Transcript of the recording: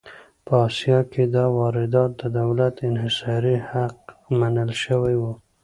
په اسیا کې دا واردات د دولت انحصاري حق منل شوي وو.